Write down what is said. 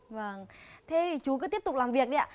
vâng thế chú cứ tiếp tục làm việc đi ạ